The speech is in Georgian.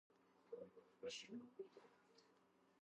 ნაგებობა შიდა ეზოების მთელი სერიის გარშემოა აღმართული.